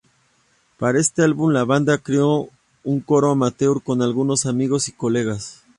Para este álbum, la banda creó un coro amateur con algunos amigos y colegas.